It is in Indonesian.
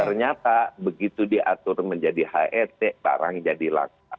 ternyata begitu diatur menjadi het barang jadi langka